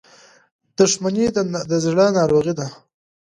• دښمني د زړه ناروغي ده.